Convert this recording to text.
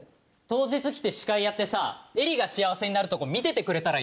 当日来て司会やってさエリが幸せになるとこ見ててくれたらいいんで！